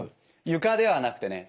床ではなくてね